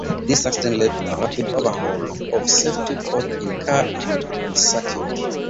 This accident led to a rapid overhaul of safety, both in-car and on circuit.